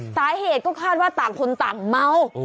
สาเหตุก็คาดว่าต่างคนต่างเมา